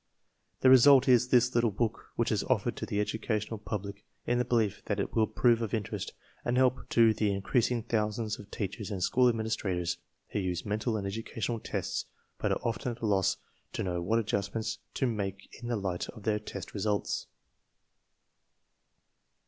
The result is this little book, which is offered to the educational pub lic in the belief that it will prove of interest and help to the increasing thousands of teachers and school admin istrators who use mental and educational tests but are often at a loss to know what adjustments to make in the light of their test results.